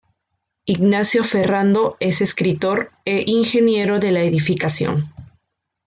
Ignacio Ferrando es escritor e ingeniero de la edificación.